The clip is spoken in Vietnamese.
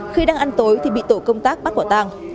khi đang ăn tối thì bị tổ công tác bắt bỏ tang